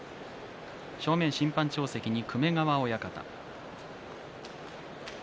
正面審判長席に粂川親方。